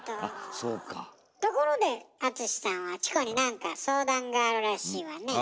ところで敦さんはチコに何か相談があるらしいわね。